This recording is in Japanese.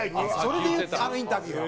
それであのインタビューが。